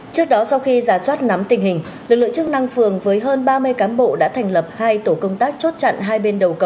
trước đó sau khi giả soát nắm tình hình lực lượng chức năng phường với hơn ba mươi cán bộ đã thành lập hai tổ công tác chốt trị